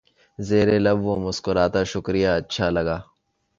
زیر لب وہ مسکراتا شکریہ اچھا لگا